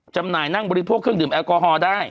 จำหน่ายนั่งบริโภคเครื่องดื่มแอลกอฮอล์ได้